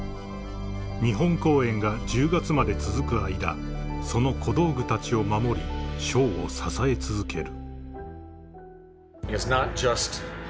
［日本公演が１０月まで続く間その小道具たちを守りショーを支え続ける］